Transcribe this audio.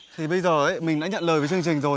thì bây giờ mình đã nhận lời với chương trình rồi